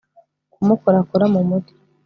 kumukorakora mu mutwe